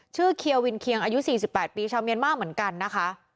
เคียวินเคียงอายุ๔๘ปีชาวเมียนมาร์เหมือนกันนะคะ